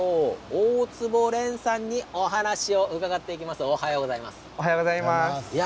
大坪蓮さんにお話を伺います。